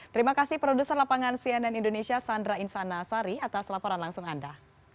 terima kasih produser lapangan cnn indonesia sandra insanasari atas laporan langsung anda